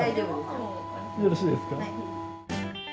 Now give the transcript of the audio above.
よろしいですか？